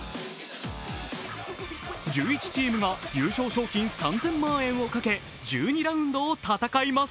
１１チームが優勝賞金３０００万円をかけ、１２ラウンドを戦います。